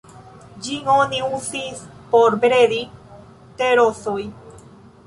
Ĝin oni uzis por bredi te-rozoj.